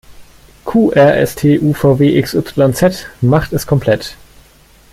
Q-R-S-T-U-V-W-X-Y-Z macht es komplett!